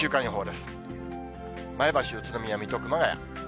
前橋、宇都宮、水戸、熊谷。